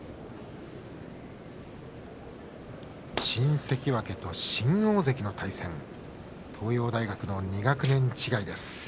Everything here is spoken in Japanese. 新関脇と新大関の対戦東洋大学の２学年違いです。